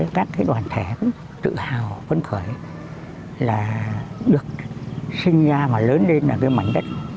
các đoàn thể cũng tự hào phấn khởi là được sinh ra và lớn lên ở cái mảnh đất